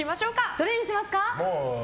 どれにしますか？